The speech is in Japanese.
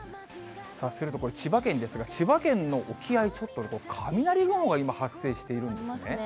すると、これ、千葉県ですが、千葉県の沖合ちょっとね、雷雲が今、発生しているんですね。